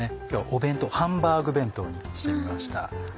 今日はハンバーグ弁当にしてみました。